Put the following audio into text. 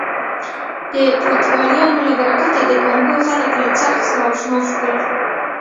د پرتګالیانو له برکته د کانګو خلک له څرخ سره اشنا شول.